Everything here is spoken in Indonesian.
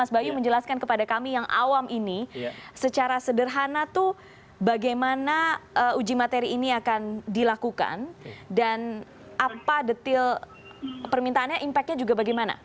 dan apa detail permintaannya impact nya juga bagaimana